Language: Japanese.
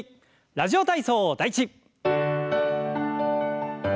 「ラジオ体操第１」。